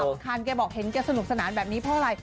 สำคัญแกบอกเห็นแกสนุกสนานแบบนี้เพราะอะไร